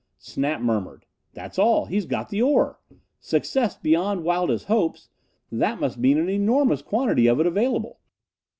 Snap murmured, "That's all. He's got the ore! 'Success beyond wildest hopes.' That must mean an enormous quantity of it available!"